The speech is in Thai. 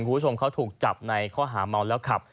คุณผู้ชมเขาถูกจับในข้อหาเมาแล้วขับ